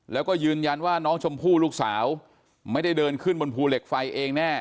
แล้วก็ยืนยันว่าน้องชมพู่ลูกสาวไม่ได้เดินขึ้นบนภูเหล็กไฟเองแน่